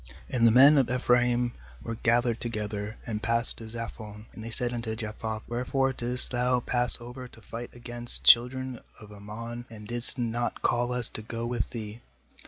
"| O And the men of Ephraim were gathered together, and passed to Zaphon; and they said unto Jephthah: 'Wherefore didst thou pass over to fight against the children of Ammon, and didst not call us to go 310 JUDGES 13.7 with thee?